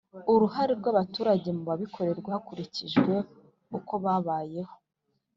Uruhare rw’ abaturage mu bibakorerwa hakurikijwe ukobabayeho